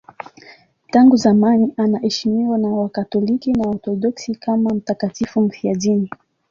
Tangu zamani anaheshimiwa na Wakatoliki na Waorthodoksi kama mtakatifu mfiadini.